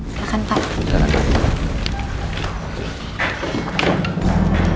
gak usah kau aja